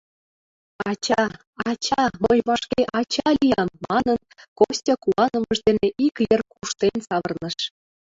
«Ача, ача, мый вашке ача лиям!» манын, Костя куанымыж дене ик йыр куштен савырныш.